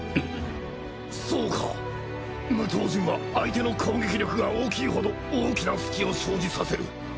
そうか無刀陣は相手の攻撃力が大きいほど大きな隙を生じさせる。